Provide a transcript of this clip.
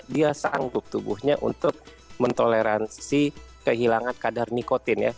dia sanggup tubuhnya untuk mentoleransi kehilangan kadar nikotin ya